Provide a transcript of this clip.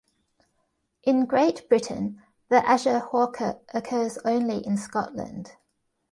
In Great Britain, the azure hawker occurs only in Scotland.